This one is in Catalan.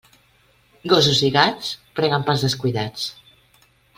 Gossos i gats preguen pels descuidats.